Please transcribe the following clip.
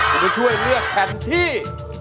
คุณบุญช่วยเลือกแผ่นที่